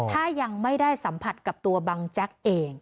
ถ้ายังไม่ได้สัมผัสกับตัวบังแจ๊กเอง